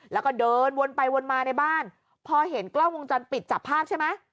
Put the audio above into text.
แล้วก็เดินวนไปวนมาในบ้านพอเห็นกล้องวงจรปิดจับภาพใช่ไหม